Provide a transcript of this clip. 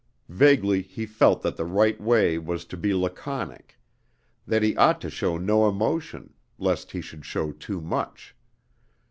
Vaguely he felt that the right way was to be laconic; that he ought to show no emotion, lest he should show too much.